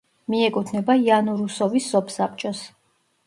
მიეკუთვნება იანურუსოვის სოფსაბჭოს.